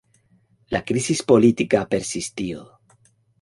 La crisis política persistió.